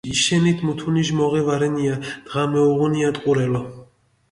იშენით მუთუნიშ მოღე ვარენია, დღა მეუღუნია ტყურელო.